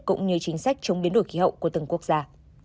cũng như chính sách chống biến đổi khí hậu của từng quốc gia